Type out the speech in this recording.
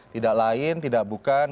tidak lain tidak bukan